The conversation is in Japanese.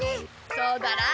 そうだなあ。